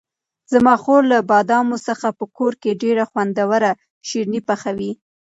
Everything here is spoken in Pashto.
زما خور له بادامو څخه په کور کې ډېر خوندور شیریني پخوي.